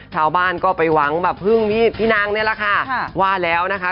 ชาวบ้านก็ไปหวังแบบพึ่งพี่นางนี่แหละค่ะว่าแล้วนะคะ